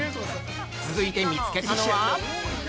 続いて見つけたのは。